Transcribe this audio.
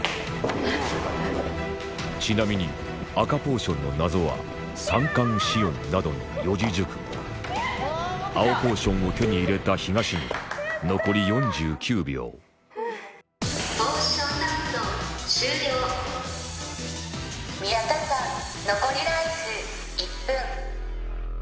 ちなみに赤ポーションの謎は三寒四温などの四字熟語青ポーションを手に入れた東村宮田さん残りライフ１分。